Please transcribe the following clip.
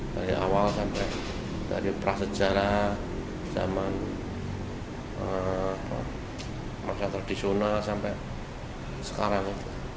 dari awal sampai dari prasejarah zaman warga tradisional sampai sekarang